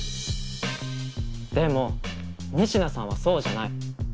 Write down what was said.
でも仁科さんはそうじゃない。